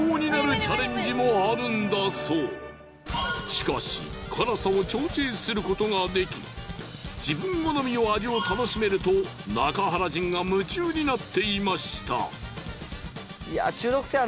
しかし辛さを調整することができ自分好みの味を楽しめると中原人が夢中になっていました。